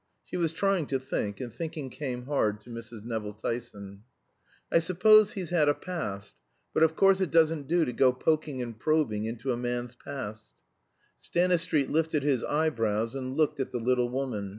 She was trying to think, and thinking came hard to Mrs. Nevill Tyson. "I suppose he's had a past. But of course it doesn't do to go poking and probing into a man's past " Stanistreet lifted his eyebrows and looked at the little woman.